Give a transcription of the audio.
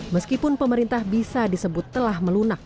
meskipun pemerintah bisa disebut telah melunak